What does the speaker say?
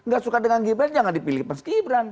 gak suka dengan ghibren jangan dipilih pas ghibren